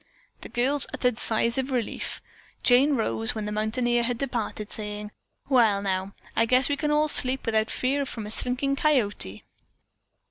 The girls uttered sighs of relief. Jane rose, when the mountaineer had departed, saying, "Well, now, I guess we can all sleep without fear of a visit from Slinking Coyote."